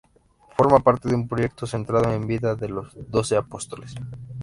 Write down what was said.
Forma parte de un proyecto centrado en la vida de los doce apóstoles.